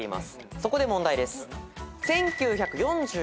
そこで問題です。